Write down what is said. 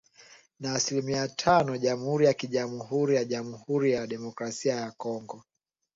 na asilimia tano Jamhuri ya KiJamuhuri ya Jamuhuri ya Demokrasia ya Kongo